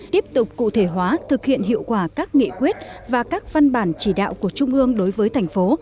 tiếp tục cụ thể hóa thực hiện hiệu quả các nghị quyết và các văn bản chỉ đạo của trung ương đối với thành phố